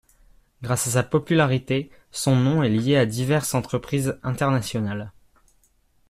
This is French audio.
Grâce à sa popularité, son nom est lié à diverses entreprises internationales.